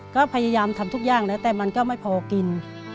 ก็พยายามทำทุกอย่างแล้วแต่มันก็ไม่พอกิน